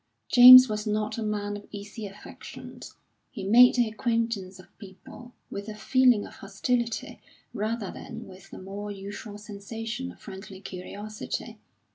James was not a man of easy affections; he made the acquaintance of people with a feeling of hostility rather than with the more usual sensation of friendly curiosity.